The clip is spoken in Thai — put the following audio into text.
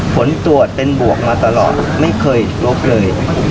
ผลตรวจเป็นบวกมาตลอดไม่เคยลบเลย